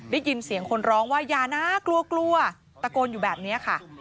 ได้ยินเสียงคนร้องว่าอย่านะกลัวกลัวตะโกนอยู่แบบนี้ค่ะ